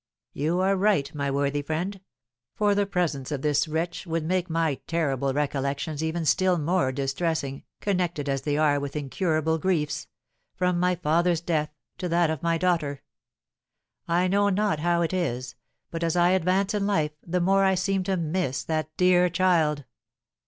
"You are right, my worthy friend; for the presence of this wretch would make my terrible recollections even still more distressing, connected as they are with incurable griefs, from my father's death to that of my daughter. I know not how it is, but as I advance in life the more I seem to miss that dear child.